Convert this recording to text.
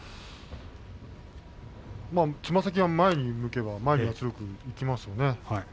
つま先が前に向けば前に圧力が向きますよね。